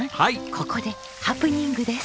ここでハプニングです。